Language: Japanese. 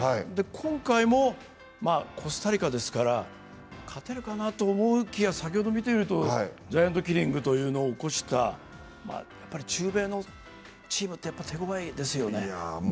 今回もコスタリカですから勝てるかなという気が、先ほど見ていると、ジャイアントキリングを起こした中米のチームってやっぱり手強いですよね。